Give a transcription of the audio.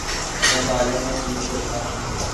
میں بالوں میں کنگھی کرتا ہوں